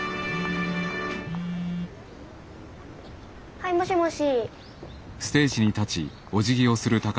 はいもしもし。